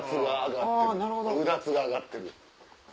うだつが上がってる。